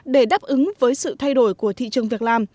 để đáp ứng với sự thay đổi của thị trường việc làm